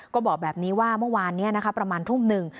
ก็บอกแบบนี้ว่าเมื่อวานนี้นะคะประมาณทุ่มหนึ่ง